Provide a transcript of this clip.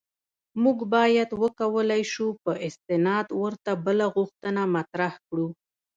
موږ باید وکولای شو په استناد ورته بله غوښتنه مطرح کړو.